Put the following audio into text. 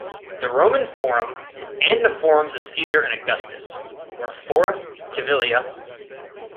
The Roman Forum, and the Forums of Caesar and Augustus were Fora Civilia.